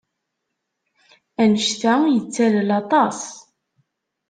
Anect-a yettalel aṭas.